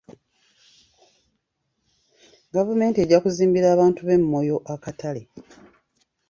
Gavumenti ejja kuzimbira abantu b'e Moyo akatale.